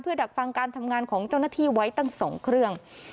ดักฟังการทำงานของเจ้าหน้าที่ไว้ตั้ง๒เครื่อง